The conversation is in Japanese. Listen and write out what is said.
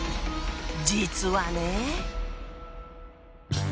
実はね。